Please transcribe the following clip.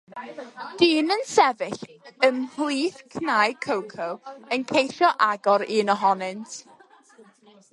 Dyn yn sefyll ymhlith cnau coco yn ceisio agor un ohonynt.